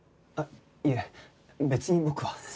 あっいえ別に僕は。